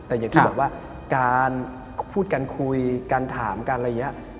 แต่อย่างที่บอกว่าการพูดกันคุยกันถามกันอะไรอย่างนี้